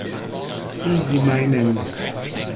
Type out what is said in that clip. Wie Sie meinen.